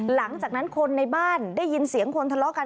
หลังจากนั้นคนในบ้านได้ยินเสียงคนทะเลาะกัน